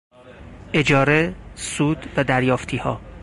اجاره، سود و دریافتیها